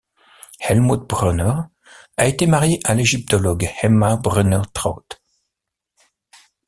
Hellmut Brunner a été marié à l'égyptologue Emma Brunner-Traut.